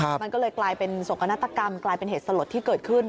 มันก็เลยกลายเป็นโศกนาฏกรรมกลายเป็นเหตุสลดที่เกิดขึ้น